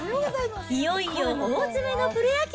いよいよ大詰めのプロ野球。